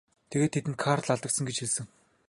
Тэгээд тэдэнд Карл алагдсан гэж хэлсэн.